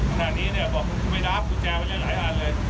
ขณะนี้บอกไม่รับกุญแจไปได้หลายอันเลย